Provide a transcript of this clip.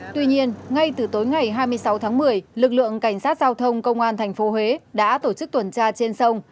tuy nhiên ngay từ tối ngày hai mươi sáu tháng một mươi lực lượng cảnh sát giao thông công an tp huế đã tổ chức tuần tra trên sông